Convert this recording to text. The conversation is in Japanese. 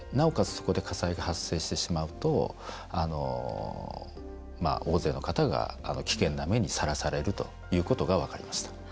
そこで火災が発生してしまうと大勢の方が危険な目にさらされるということが分かりました。